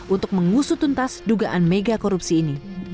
untuk mengusutuntas dugaan mega korupsi ini